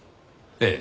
ええ。